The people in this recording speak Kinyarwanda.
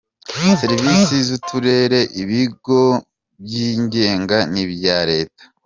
Servisi z’Uturere, ibigo byigenga n’ibya Leta .